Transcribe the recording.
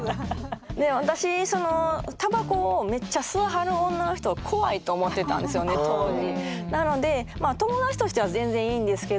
私タバコをめっちゃ吸わはる女の人怖いと思ってたんですよね当時。